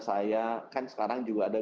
saya kan sekarang juga ada